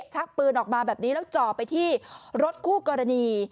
ชักปืนออกมาแบบนี้แล้วจ่อไปที่รถคู่กรณี